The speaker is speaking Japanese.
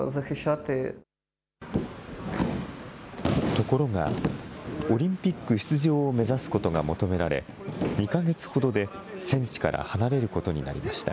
ところが、オリンピック出場を目指すことが求められ、２か月ほどで戦地から離れることになりました。